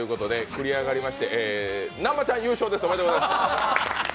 繰り上がりまして、南波ちゃん、優勝です、おめでとうございます。